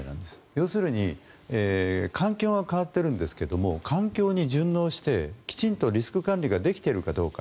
要するに環境は変わっているんですが環境に順応してきちんとリスク管理ができているかどうか。